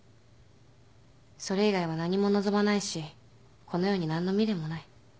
それ以外は何も望まないしこの世に何の未練もない